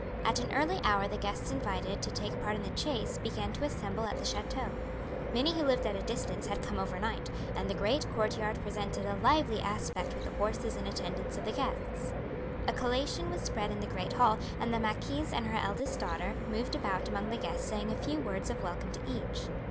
At an early hour the guests invited to take part in the chase began to assemble at the chateau. Many who lived at a distance had come overnight, and the great court yard presented a lively aspect with the horses and attendants of the guests. A collation was spread in the great hall, and the marquise and her eldest daughter moved about among the guests saying a few words of welcome to each.